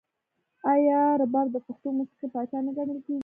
آیا رباب د پښتو موسیقۍ پاچا نه ګڼل کیږي؟